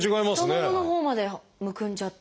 太もものほうまでむくんじゃって。